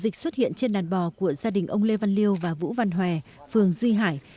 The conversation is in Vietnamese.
ổ dịch xuất hiện trên đàn bò của gia đình ông lê văn liêu và vũ văn hòe phường duy hải